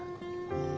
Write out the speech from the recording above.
うん。